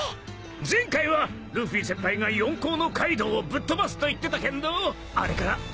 前回はルフィ先輩が四皇のカイドウをぶっ飛ばすと言ってたけんどあれからどうなったんだべか？